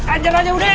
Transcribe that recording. anjay aja udah